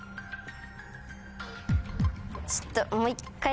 ちょっと。